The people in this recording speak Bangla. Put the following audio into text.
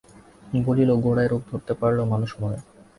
বলিল, গোড়ায় রোগ ধরতে পারলেও মানুষ মরে।